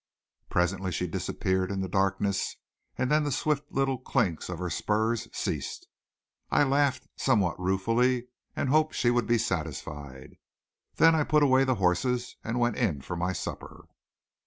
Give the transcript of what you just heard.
Presently she disappeared in the darkness and then the swift little clinks of her spurs ceased. I laughed somewhat ruefully and hoped she would be satisfied. Then I put away the horses and went in for my supper.